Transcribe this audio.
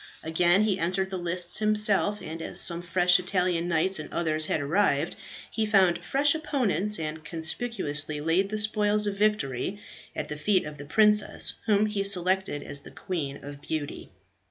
Again he entered the lists himself, and as some fresh Italian knights and others had arrived, he found fresh opponents, and conspicuously laid the spoils of victory at the feet of the princess, whom he selected as the Queen of Beauty.